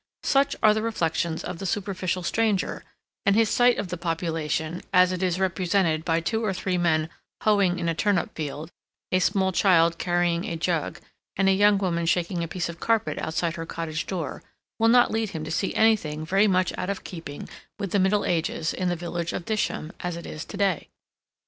Such are the reflections of the superficial stranger, and his sight of the population, as it is represented by two or three men hoeing in a turnip field, a small child carrying a jug, and a young woman shaking a piece of carpet outside her cottage door, will not lead him to see anything very much out of keeping with the Middle Ages in the village of Disham as it is to day.